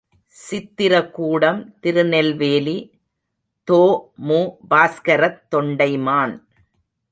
சித்ரகூடம் திருநெல்வேலி தொ.மு.பாஸ்கரத் தொண்டைமான்.